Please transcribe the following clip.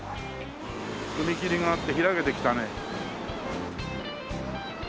踏切があって開けてきたね。